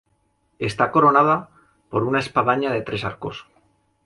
Está coronada per una espadaña de tres arcos.